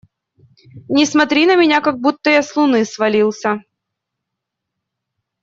Не смотри на меня, как будто я с Луны свалился!